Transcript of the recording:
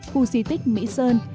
khu di tích mỹ sơn